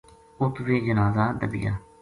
اُت ویہ جنازہ دَبیا